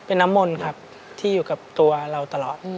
เป็นน้ำมนต์ครับที่อยู่กับตัวเราตลอด